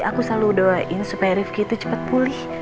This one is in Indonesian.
aku selalu doain supaya rifki itu cepat pulih